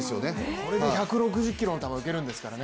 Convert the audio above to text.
これで１６０キロの球を受けるんですからね。